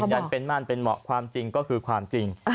อย่างเป็นมั่นเป็นเหมาะความจริงก็คือความจริง